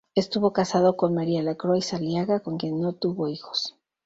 Estuvo casado con María Lacroix Aliaga, con quien no tuvo hijos.